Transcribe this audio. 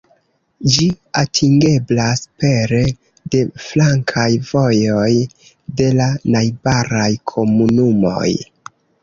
Ĝi atingeblas pere de flankaj vojoj de la najbaraj komunumoj.